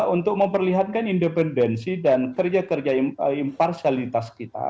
untuk memperlihatkan independensi dan kerja kerja imparsialitas kita